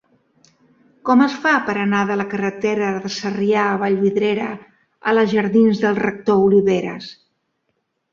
Com es fa per anar de la carretera de Sarrià a Vallvidrera a la jardins del Rector Oliveras?